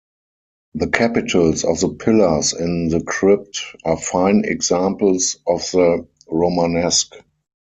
The capitals of the pillars in the crypt are fine examples of the Romanesque.